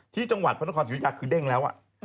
ที่จังหวัดพลตำรวจเอกฤทธิ์สิริพฯคือเด้งแล้ว